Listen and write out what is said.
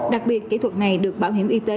đặc biệt kỹ thuật này được bảo hiểm y tế